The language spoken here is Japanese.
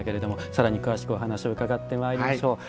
さらに詳しくお話を伺ってまいりましょう。